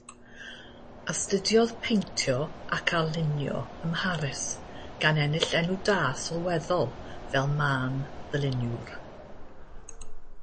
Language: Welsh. Astudiodd paentio ac arlunio ym Mharis, gan ennill enw da sylweddol fel mân-ddarluniwr.